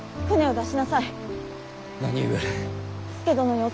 舟を出しなさい。